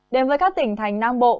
đến với các tỉnh thành nam bộ